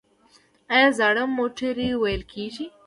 آیا زاړه موټرې ویلې کیږي؟